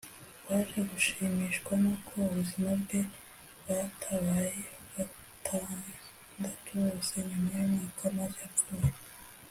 waje gushimishwa n’uko ubuzima bwe batabaye batandatu bose nyuma y’umwaka amaze apfuye